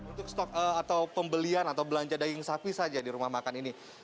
untuk stok atau pembelian atau belanja daging sapi saja di rumah makan ini